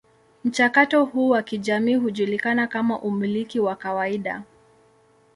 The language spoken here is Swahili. Mchakato huu wa kijamii hujulikana kama umiliki wa kawaida.